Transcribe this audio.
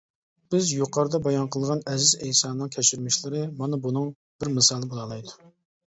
بىز يۇقىرىدا بايان قىلغان ئەزىز ئەيسانىڭ كەچۈرمىشلىرى مانا بۇنىڭ بىر مىسالى بولالايدۇ.